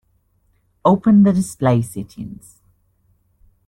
Open the display settings.